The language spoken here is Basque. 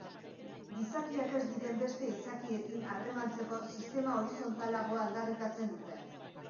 Gizakiak ez diren beste izakiekin harremantzeko sistema horizontalagoa aldarrikatzen dute.